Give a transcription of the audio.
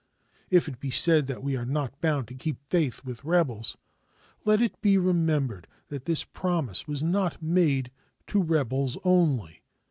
If it be said that we are not bound to keep faith with rebels, let it be remembered that this promise was not made to rebels only.